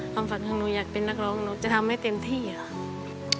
ความฝันของหนูอยากเป็นนักร้องหนูจะทำให้เต็มที่ค่ะ